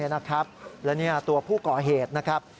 และตัวผู้ก่อเหตุนะครับ